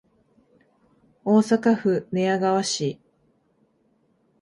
大阪府寝屋川市